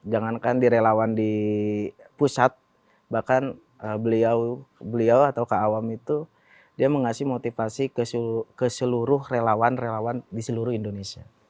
jangankan direlawan di pusat bahkan beliau atau kawam itu dia mengasih motivasi ke seluruh relawan relawan di seluruh indonesia